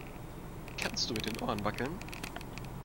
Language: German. Kannst du mit den Ohren wackeln?